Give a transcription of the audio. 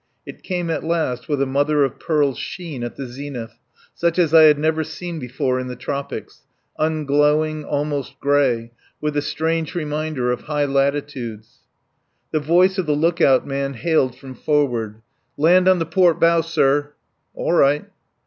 It came at last with a mother of pearl sheen at the zenith, such as I had never seen before in the tropics, unglowing, almost gray, with a strange reminder of high latitudes. The voice of the look out man hailed from forward: "Land on the port bow, sir." "All right."